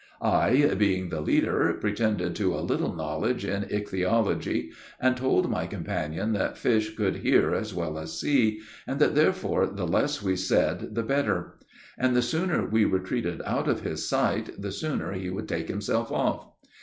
I, being the leader, pretended to a little knowledge in ichthyology, and told my companion that fish could hear as well as see, and that therefore the less we said, the better; and the sooner we retreated out of his sight, the sooner he would take himself off.